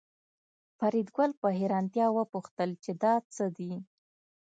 فریدګل په حیرانتیا وپوښتل چې دا څه دي